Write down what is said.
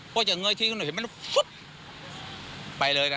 ก็จากเงยที่ขึ้นหน่อยเห็นมันฟุ๊บไปเลยนะ